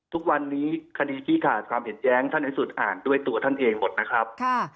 ทุกวันนี้คดีที่ขาดความเห็นแย้งท่านที่สุดอ่านด้วยตัวท่านเองหมดนะครับ